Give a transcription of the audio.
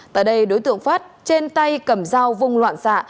tại đây đối tượng phát trên tay cầm dao vung loạn xạ